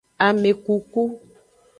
Amekuku.